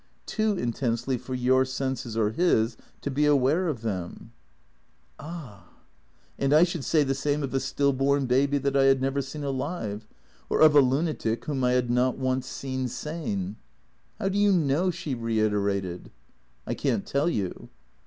Too intensely for your senses, or his, to be aware of them." " Ah " 14 218 THE CKEATOES " And I should say the same of a still born baby that I had never seen alive, or of a lunatic whom I had not once seen sane." " How do you know ?" she reiterated. " I can't tell you."